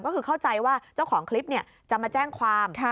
ก็คือเข้าใจว่าเจ้าของคลิปจะมาแจ้งความ